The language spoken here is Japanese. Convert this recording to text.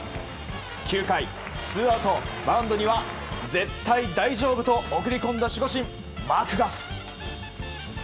９回、ツーアウトマウンドには絶対大丈夫と送り込んだ守護神マクガフ。